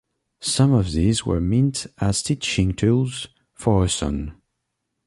Some of these were meant as teaching tools for her son.